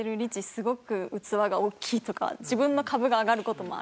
すごく器が大きい」とか自分の株が上がる事もあるので。